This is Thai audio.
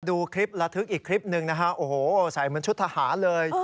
ดูคลิประทึกอีกคลิปหนึ่งนะฮะโอ้โหใส่เหมือนชุดทหารเลย